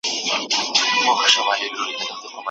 ډيجيټلي وسايل اداري چارې اسانوي.